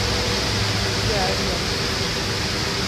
Túŋdyə̂ a yɔm.